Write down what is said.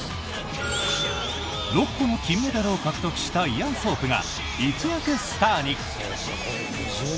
６個の金メダルを獲得したイアン・ソープが一躍スターに。